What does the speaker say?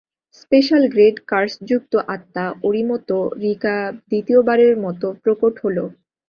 Special grade কার্সযুক্ত আত্মা, Orimoto Rika দ্বিতীয়বারের মতো প্রকট হলো।